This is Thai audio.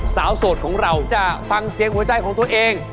โสดของเราจะฟังเสียงหัวใจของตัวเอง